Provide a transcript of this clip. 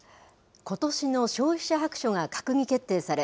ことしの消費者白書が閣議決定され、